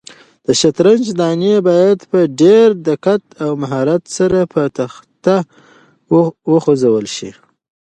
د شطرنج دانې باید په ډېر دقت او مهارت سره په تخته وخوځول شي.